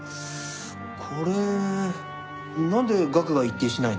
これなんで額が一定しないの？